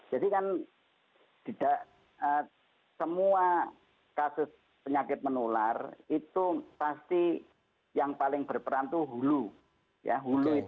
jadi kan tidak semua kasus penyakit menular itu pasti yang paling berperan itu hulu